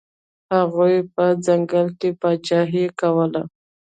هغوی په ځنګل کې پاچاهي کوله.